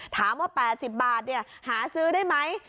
ถามว่า๘๐บาทหาซื้อได้ไหม